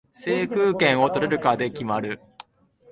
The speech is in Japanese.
制空権を取れるかで決まる